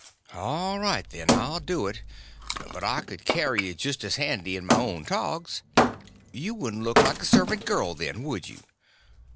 "All right, then, I'll do it; but I could carry it just as handy in my own togs." "You wouldn't look like a servant girl then, would you?"